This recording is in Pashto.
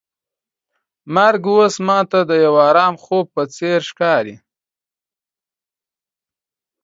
مرګ اوس ماته د یو ارام خوب په څېر ښکاري.